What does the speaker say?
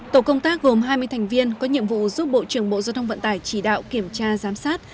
tổ công tác gồm hai mươi thành viên có nhiệm vụ giúp bộ trưởng bộ giao thông vận tải chỉ đạo kiểm tra giám sát